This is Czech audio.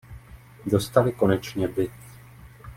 Dostali konečně byt.